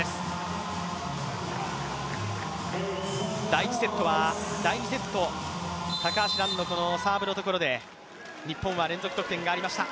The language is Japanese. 第２セット、高橋藍のサーブのところで日本は連続得点がありました。